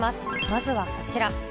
まずはこちら。